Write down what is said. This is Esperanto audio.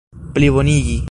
plibonigi